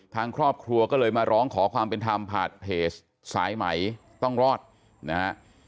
ทางครอบครัวก็เลยมาร้องขอความเป็นธรรมผ่านเพจสายไหมต้องรอดนะฮะ